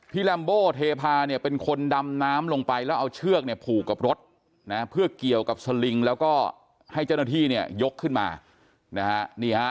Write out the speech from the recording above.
ลัมโบเทพาเนี่ยเป็นคนดำน้ำลงไปแล้วเอาเชือกเนี่ยผูกกับรถนะเพื่อเกี่ยวกับสลิงแล้วก็ให้เจ้าหน้าที่เนี่ยยกขึ้นมานะฮะ